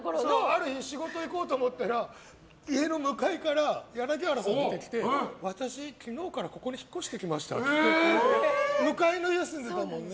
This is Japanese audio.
ある日、仕事行こうと思ったら家の向かいから柳原さんが出てきて私、昨日からここに引っ越してきましたって向かいの家に住んでたんだよね。